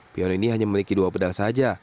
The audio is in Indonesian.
piano ini hanya memiliki dua pedal saja